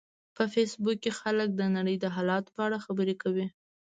په فېسبوک کې خلک د نړۍ د حالاتو په اړه خبرې کوي